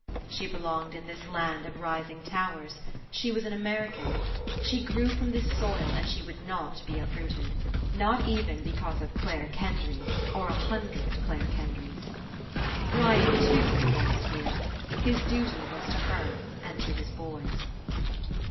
She belonged In this land of rising towers. She was an American. She grew from this soil, and she would not be uprooted. Not even because of Clare Kendry, or a hun dred Clare Kendrys. Brian, too, belonged here. His duty was to her and to his boys.